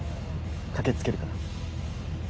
駆けつけるから。